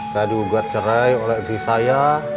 saya diugat cerai oleh si saya